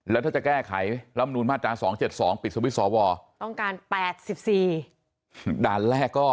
แล้วถ้าจะแก้ไขรำนูนมาตรา๒๗๒ปิดสวิตช์สวต้องการ๘๔ด่านแรกก็